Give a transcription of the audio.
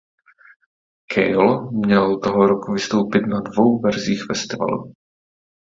Cale měl toho roku vystoupit na dvou verzích festivalu.